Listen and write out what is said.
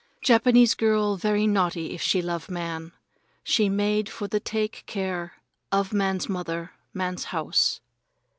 Japanese girl very naughty if she love man. She made for the take care of man's mother, man's house.